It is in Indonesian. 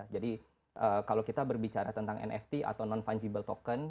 jadi kalau kita berbicara tentang nft atau non fungible token